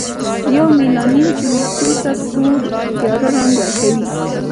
یومیلانین چې ویښتو ته تور تیاره رنګ ورکوي.